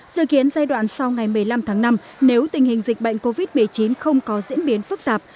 dự kiến giai đoạn sau ngày một mươi năm tháng năm nếu tình hình dịch bệnh covid một mươi chín không có diễn biến phức tạp